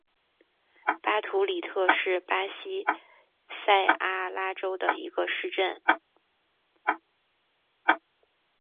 巴图里特是巴西塞阿拉州的一个市镇。